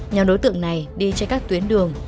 nhóm đối tượng này đi trên các tuyến đường